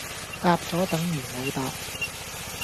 答咗等如冇答